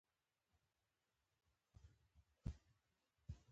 ډاکتر عرفان ته يې وويل برانشيت لري.